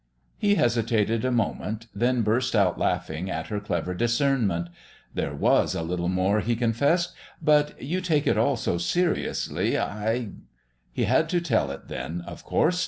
He hesitated a moment, then burst out laughing at her clever discernment. "There was a little more," he confessed, "but you take it all so seriously; I " He had to tell it then, of course.